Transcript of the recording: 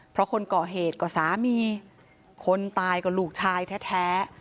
เพราะคนก่อเหตุก็สามีคนตายก็ลูกชายแท้